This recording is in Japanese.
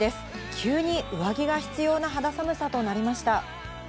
急に上着が必要な肌寒さとなりました。